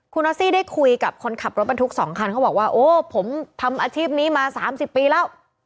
คุณนอสซี่ได้คุยกับคนขับรถบรรทุก๒คันเขาบอกว่าโอ้ผมทำอาชีพนี้มา๓๐ปีแล้ว